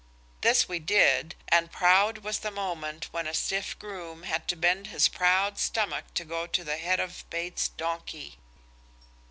This we did, and proud was the moment when a stiff groom had to bend his proud stomach to go to the head of Bates's donkey.